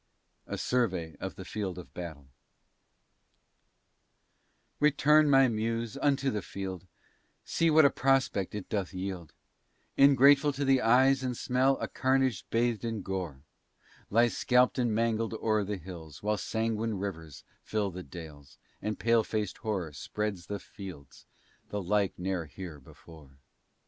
A SURVEY OF THE FIELD OF BATTLE Return my muse unto the field, See what a prospect it doth yield; Ingrateful to the eyes and smell A carnage bath'd in gore, Lies scalp'd and mangled o'er the hills, While sanguine rivers fill the dales, And pale fac'd horror spreads the fields, The like ne'er here before.